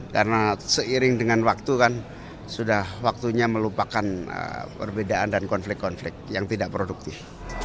karena seiring dengan waktu kan sudah waktunya melupakan perbedaan dan konflik konflik yang tidak produktif